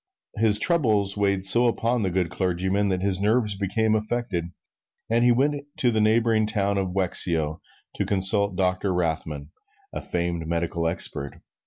His troubles weighed so upon the good clergyman that his nerves became affected and he went to the neighboring town of Wexio to consult Doctor Rothman, a famed medical expert.